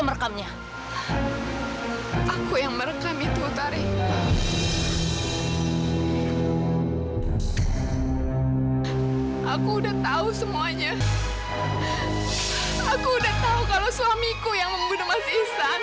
sekarang aku mohon kembali ke rumah